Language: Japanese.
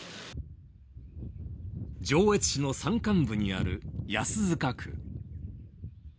上越市の山間部にある安塚区。